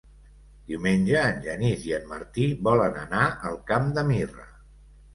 Diumenge en Genís i en Martí volen anar al Camp de Mirra.